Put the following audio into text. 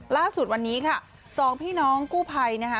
ล่าสุดวันนี้ค่ะสองพี่น้องกู้ภัยนะคะ